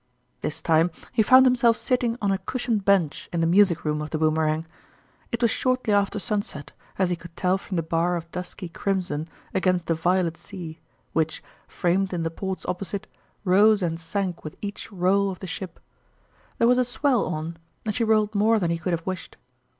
... This time he found himself sitting on a cushioned bench in the music room of the Boomerang. It was shortly after sunset, as he could tell from the bar of dusky crimson against the violet sea, which, framed in the ports opposite, rose and sank with each roll of Cheques. the ship. There was a swell on, and she rolled more than he could have wished.